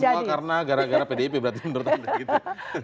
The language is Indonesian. jadi ini semua karena gara gara pdip berarti menurut anda gitu